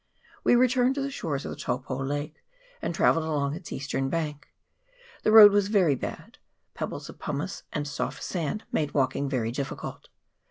We returned to the shores of the Taupo lake, and travelled along its eastern bank. The road was very bad ; pebbles of pumice and soft sand made walking very difficult.